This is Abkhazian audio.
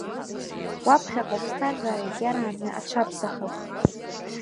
Уаԥхьаҟа уԥсҭазаара егьарааны аҽаԥсахып.